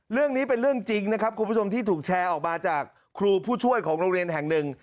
เรื่องนี้เป็นเรื่องจริงนะครับคุณผู้ชมที่ถูกแชร์ออกมาจากครูผู้ช่วยของโรงเรียนแห่งหนึ่ง